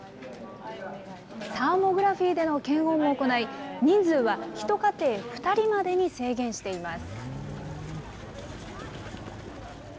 サーモグラフィーでの検温を行い、人数は１家庭２人までに制限しています。